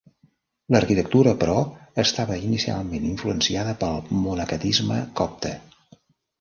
L'arquitectura, però, estava inicialment influenciada pel monacatisme copte.